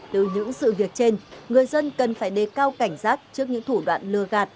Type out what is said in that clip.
từ những sự việc trên người dân cần phải đề cao cảnh giác trước những thủ đoạn lừa gạt